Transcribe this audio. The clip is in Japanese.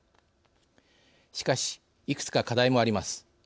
しかしいくつか課題もあります。